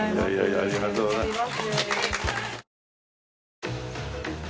ありがとうございます。